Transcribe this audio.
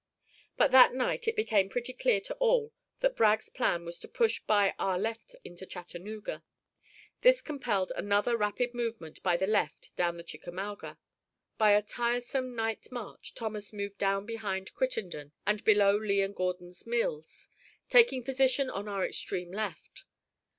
But that night it became pretty clear to all that Bragg's plan was to push by our left into Chattanooga. This compelled another rapid movement by the left down the Chickamauga. By a tiresome night march Thomas moved down behind Crittenden and below Lee and Gordon's Mills, taking position on our extreme left.